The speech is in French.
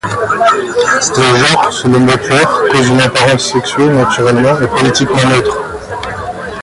Le genre, selon Butler, cause une apparence sexuée naturellement et politiquement neutre.